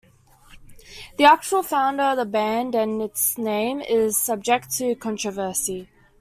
The actual founder of the band and its name is subject to controversy.